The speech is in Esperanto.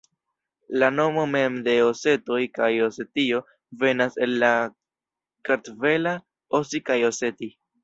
La nomo mem de osetoj kaj Osetio venas el la kartvela osi kaj Oseti.